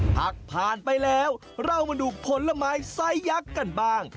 ผักผ่านไปแล้วเรามาดูผลไม้ไซสยักษ์กันบ้าง